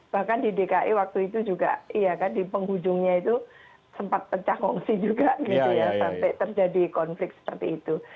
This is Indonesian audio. bahkan di dki waktu itu juga iya kan di penghujungnya itu sempat pecah kongsi juga gitu ya sampai terjadi konflik seperti itu